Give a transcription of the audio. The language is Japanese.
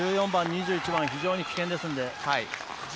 １４番、２１番は非常に危険ですので。